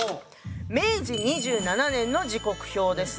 明治２７年の時刻表です。